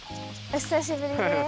おひさしぶりです。